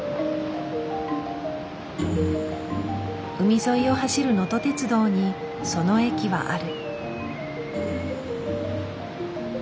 海沿いを走るのと鉄道にその駅はある。